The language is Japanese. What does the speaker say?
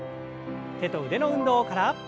手と腕の運動から。